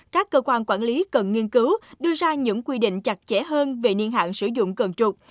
các cơ quan quản lý cần nghiên cứu đưa ra những quy định chặt chẽ hơn về niên hạn sử dụng cân trục